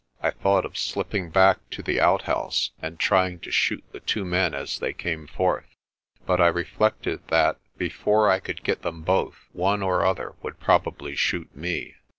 I thought of slipping back to the outhouse and trying to shoot the two men as they came forth. But I reflected that, before I could get them both, one or other would probably shoot me.